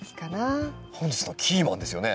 本日のキーマンですよね